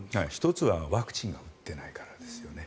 １つはワクチンを打ってないからですよね。